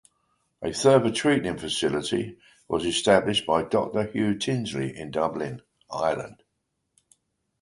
A further treating facility was established by Doctor Hugh Tinsley in Dublin, Ireland.